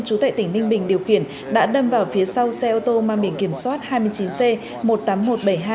chú tại tỉnh ninh bình điều khiển đã đâm vào phía sau xe ô tô mang biển kiểm soát hai mươi chín c một mươi tám nghìn một trăm bảy mươi hai